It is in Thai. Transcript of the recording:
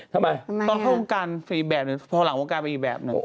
ทำไมครับตอนเข้าโรงการเป็นอีกแบบนึงพอผ่านหลังโรงการเป็นอีกแบบนึง